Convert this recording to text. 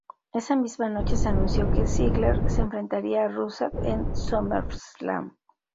Esa misma noche, se anunció que Ziggler se enfrentaría a Rusev en "SummerSlam".